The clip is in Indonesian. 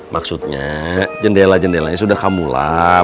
maksudnya jendela jendelanya sudah kamu lap